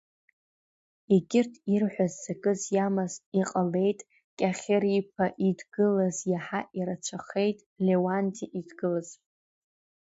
Егьырҭ ирҳәаз ҵакыс иамаз, иҟалеит Кьахьыриԥа идгылаз, иаҳа ирацәахеит Леуанти идгылаз.